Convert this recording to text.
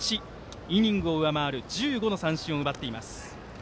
イニングを上回る１５の三振を奪っています。